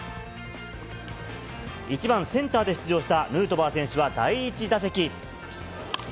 １番センターで出場したヌートバー選手は、第１打席。